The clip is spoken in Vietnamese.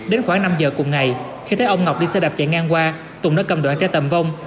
đến khoảng năm giờ cùng ngày khi thấy ông ngọc đi xe đạp chạy ngang qua tùng đã cầm đoạn chai tầm vông